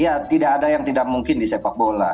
ya tidak ada yang tidak mungkin disepak bola